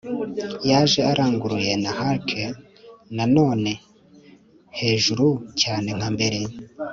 yaje aranguruye - na hark, nanone! hejuru cyane nka mbere